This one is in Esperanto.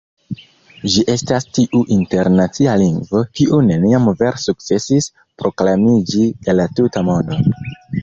Ĝi estas tiu internacia lingvo, kiu neniam vere sukcesis proklamiĝi de la tuta mondo.